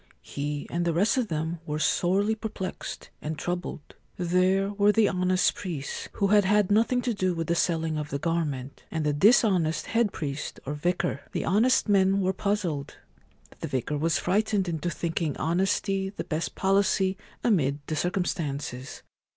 He and the rest of them were sorely perplexed and troubled. There were the honest priests, who had had nothing to do with the selling of the garment, and the dishonest head priest or vicar. The honest men were puzzled. The vicar was frightened into thinking honesty the best policy amid the circumstances.